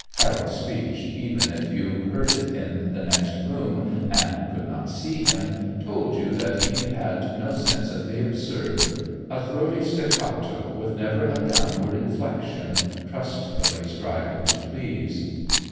Harold's speech, even if you heard it in the next room and could not see him, told you that he had no sense of the absurd, a throaty staccato, with never a downward inflection, trustfully striving to please.